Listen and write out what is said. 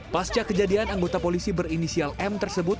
pasca kejadian anggota polisi berinisial m tersebut